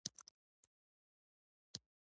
که دي تخت په هوا ځي چې عاشق یې.